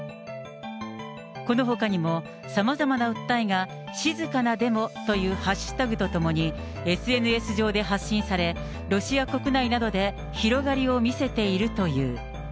このほかにも、さまざまな訴えが、静かなデモという＃と共に、ＳＮＳ上で発信され、ロシア国内などで広がりを見せているという。